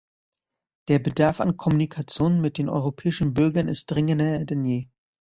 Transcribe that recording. Der Bedarf an Kommunikation mit den europäischen Bürgern ist dringender denn je.